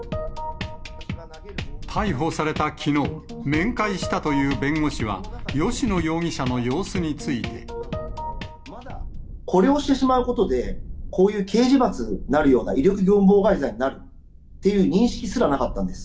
逮捕されたきのう、面会したという弁護士は、吉野容疑者の様子にこれをしてしまうことで、こういう刑事罰になるような、威力業務妨害罪ってあるんですよ、認識すらなかったんです。